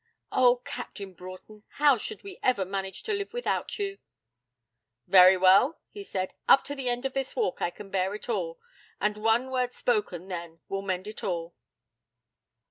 'Oh, Captain Broughton, how should we ever manage to live without you?' 'Very well,' he said; 'up to the end of this walk I can bear it all; and one word spoken then will mend it all.'